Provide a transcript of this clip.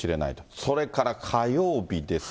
それから火曜日ですが。